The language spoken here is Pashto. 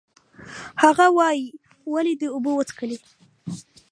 هغه وایي، ولې دې اوبه وڅښلې؟